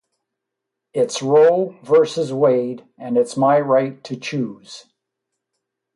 It's row versus wade... and it's my right to choose.